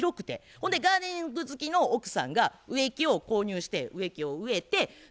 ほんでガーデニング好きの奥さんが植木を購入して植木を植えてきれいに手入れしてはったんや。